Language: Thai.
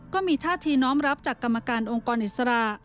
ก็มีท่าทีน้อมรับจากกรรมการองค์กรอิสระ